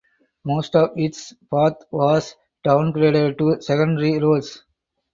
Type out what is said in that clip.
Most of its path was downgraded to secondary roads.